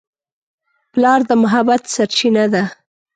پلار د محبت سرچینه ده.